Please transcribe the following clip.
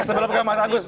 sebelum kamu mengatakan